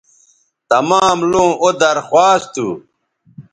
تمام لوں او درخواست تھو